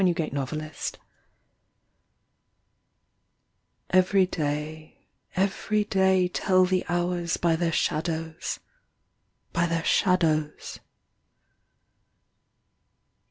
68 THE SUN DIAL Every day, Every day, Tell the hours By their shadows, By their shadows.